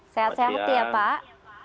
sehat sehat ya pak